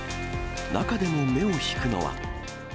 中でも目を引くのは。